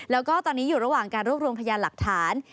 แล้วก็ตอนนี้อยู่ระหว่างการรวบรวมพยานหลักฐาน